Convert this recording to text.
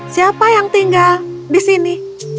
siapa yang tinggal di sini